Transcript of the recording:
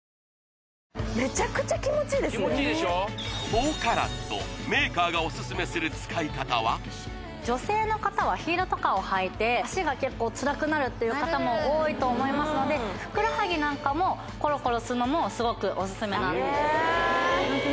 ４ＣＡＲＡＴメーカーがオススメする使い方は女性の方はヒールとかを履いて脚が結構つらくなるっていう方も多いと思いますのでふくらはぎ何かもコロコロするのもすごくオススメなんです